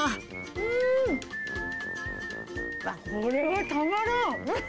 うーん、うわっ、これはたまらん。